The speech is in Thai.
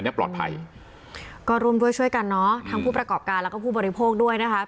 เนี้ยปลอดภัยก็ร่วมด้วยช่วยกันเนอะทั้งผู้ประกอบการแล้วก็ผู้บริโภคด้วยนะคะ